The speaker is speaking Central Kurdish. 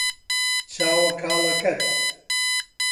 چاوە کاڵەکەت